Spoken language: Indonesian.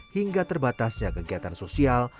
hingga terbatasnya kegiatan sosial